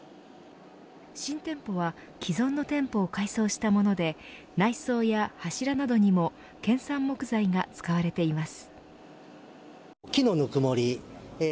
新店舗は既存の店舗を改装したもので内装や柱などにも県産木材が使われています。